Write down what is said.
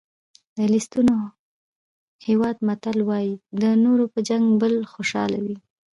د لېسوتو هېواد متل وایي د نورو په جنګ بل خوشحاله وي.